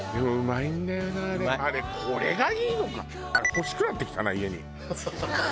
欲しくなってきたな家に。